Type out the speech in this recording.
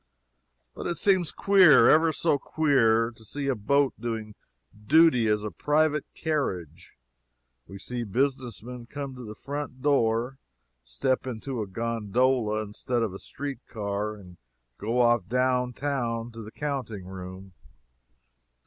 But it seems queer ever so queer to see a boat doing duty as a private carriage. We see business men come to the front door, step into a gondola, instead of a street car, and go off down town to the counting room.